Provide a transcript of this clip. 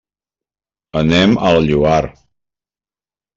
Anem al Lloar.